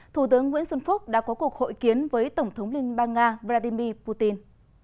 thủ tướng nguyễn xuân phúc đã có cuộc hội kiến với tổng thống liên bang nga vladimir putin